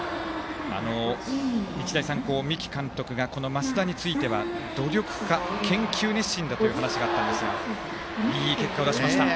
日大三高、三木監督が増田については努力家、研究熱心だという話があったんですがいい結果を出しました。